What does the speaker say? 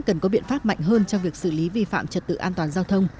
cần có biện pháp mạnh hơn trong việc xử lý vi phạm trật tự an toàn giao thông